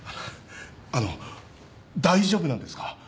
あの大丈夫なんですか？